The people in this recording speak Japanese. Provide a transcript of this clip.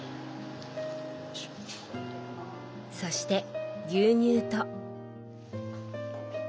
そして牛乳と。